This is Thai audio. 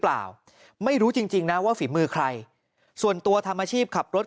เปล่าไม่รู้จริงจริงนะว่าฝีมือใครส่วนตัวทำอาชีพขับรถ